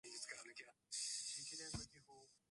It was one of the smaller member states of the German empire.